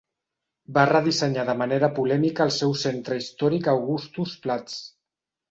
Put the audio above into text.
Va redissenyar de manera polèmica el seu centre històric a Augustusplatz.